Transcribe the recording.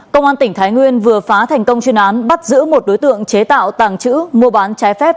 công an tỉnh thái nguyên vừa phá thành công chuyên án bắt giữ một đối tượng chế tạo tàng trữ mua bán trái phép